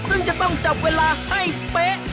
ซึ่งจะต้องจับเวลาให้เป๊ะ